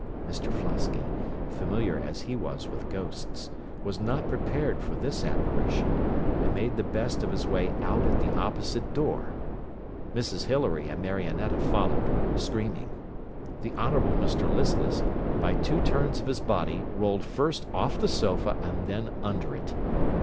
Mr Flosky, familiar as he was with ghosts, was not prepared for this apparition, and made the best of his way out at the opposite door. Mrs Hilary and Marionetta followed, screaming. The Honourable Mr Listless, by two turns of his body, rolled first off the sofa and then under it.